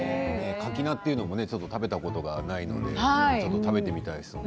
かき菜も食べたことがないので食べてみたいですね。